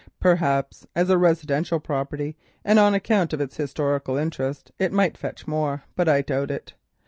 Perhaps as a residential property and on account of its historical interest it might fetch more, but I doubt it.